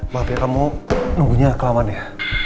maaf ya kamu nunggunya kelaman ya